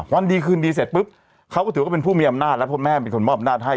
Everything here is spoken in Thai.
วันดีคืนดีเสร็จปุ๊บเขาก็ถือว่าเป็นผู้มีอำนาจแล้วเพราะแม่เป็นคนมอบอำนาจให้